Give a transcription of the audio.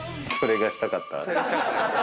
それがしたかったです。